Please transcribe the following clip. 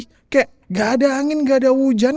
kayak gak ada angin gak ada hujan